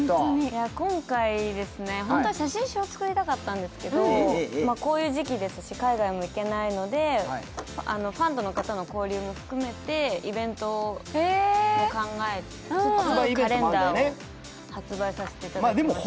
今回、本当は写真集を作りたかったんですけどこういう時期ですし海外も行けないのでファンの方との交流も含めてイベントも考えてカレンダーを発売させていただきました。